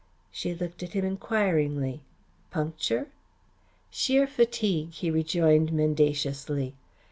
She looked at him enquiringly. "Puncture?" "Sheer fatigue," he rejoined mendaciously.